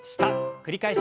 繰り返し。